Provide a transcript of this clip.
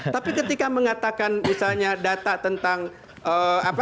tapi ketika mengatakan misalnya data tentang apa pelanggaran ham data tentang kebakaran itu kan abstrak